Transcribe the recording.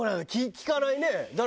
聞かないよね。